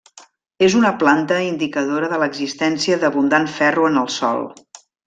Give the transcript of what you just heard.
És una planta indicadora de l'existència d'abundant ferro en el sòl.